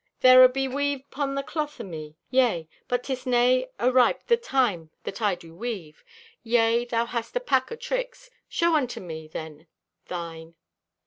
"There abe weave 'pon the cloth o' me, yea, but 'tis nay ariped the time that I do weave. Yea, thou hast a pack o' tricks. Show unto me, then, thine."